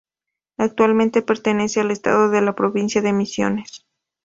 Actualmente pertenece al Estado de la provincia de Misiones.